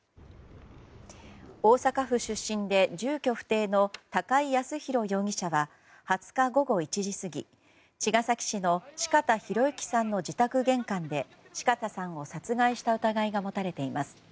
大阪府出身で住居不定の高井靖弘容疑者は２０日午後１時過ぎ、茅ヶ崎市の四方洋行さんの自宅玄関で四方さんを殺害した疑いが持たれています。